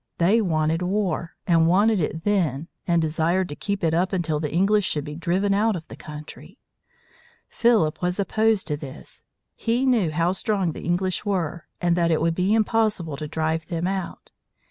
They wanted war, and wanted it then, and desired to keep it up until the English should be driven out of the country. Philip was opposed to this. He knew how strong the English were, and that it would be impossible to drive them out.